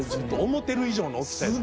思てる以上の大きさやった。